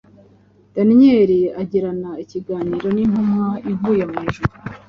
Daniyeli agirana ikiganiro n’intumwa ivuye mu ijuru.